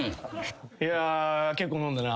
いや結構飲んだな。